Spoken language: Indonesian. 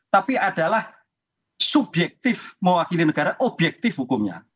tapi adalah subjektif mewakili negara objektif hukumnya